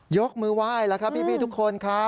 ยกมือไหว้แล้วครับพี่ทุกคนครับ